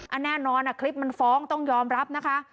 แน่นอนคลิปมันฟ้องต้องยอมรับนะคะ